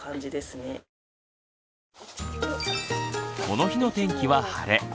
この日の天気は晴れ。